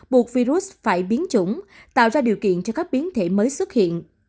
buộc virus phải biến chủng tạo ra điều kiện cho các biến thể mới xuất hiện